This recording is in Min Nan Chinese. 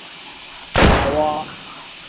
額外